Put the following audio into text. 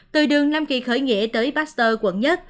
từ đường nam kỳ khởi nghĩa tới baxter quận một